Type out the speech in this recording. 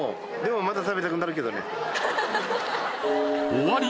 終わり